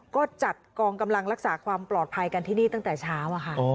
ก็จัดกองกำลังรักษาความปลอดภัยกันที่นี่ตั้งแต่เช้าค่ะ